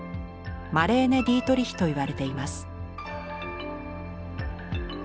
マレーネ・ディートリヒといわれています。